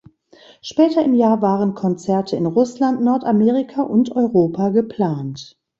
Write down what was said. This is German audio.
Später im Jahr waren Konzerte in Russland, Nordamerika und Europa geplant.